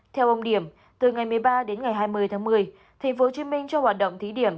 theo ông điểm từ ngày một mươi ba đến ngày hai mươi tháng một mươi tp hcm cho hoạt động thí điểm